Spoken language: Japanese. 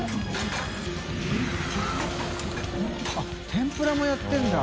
△天ぷらもやってるんだ？